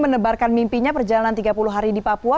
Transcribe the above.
menebarkan mimpinya perjalanan tiga puluh hari di papua